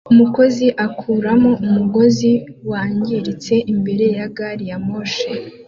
Umukozi akuramo umugozi wangiritse imbere ya gari ya moshi